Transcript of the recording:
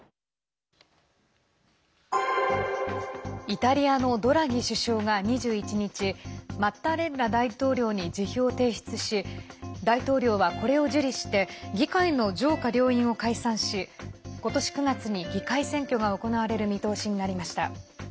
イタリアのドラギ首相が２１日マッタレッラ大統領に辞表を提出し大統領はこれを受理して議会の上下両院を解散しことし９月に議会選挙が行われる見通しになりました。